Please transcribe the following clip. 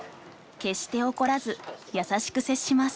決して怒らず優しく接します。